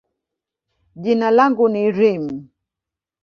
jina langu ni Reem.